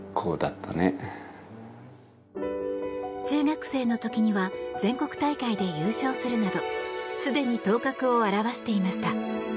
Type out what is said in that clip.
中学生の時には全国大会で優勝するなどすでに頭角を現していました。